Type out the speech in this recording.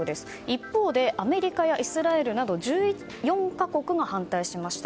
一方、アメリカやイスラエルなど１４か国が反対しました。